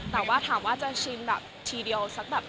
แต่ว่าถามว่าจะชิมแบบทีเดียวสักแบบ